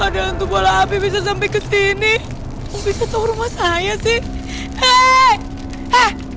ada untuk bola api bisa sampai ke sini bisa ke rumah saya sih